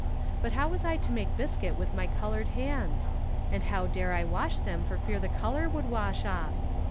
But how was I to make biscuit with my colored hands? and how dare I wash them for fear the color would wash off?